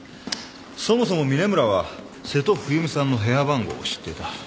そもそも峰村は瀬戸冬美さんの部屋番号を知っていた。